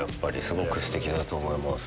すごくステキだと思います。